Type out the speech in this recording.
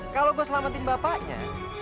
kalau gue selamatin bapaknya